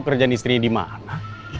kerjaan istrinya dimana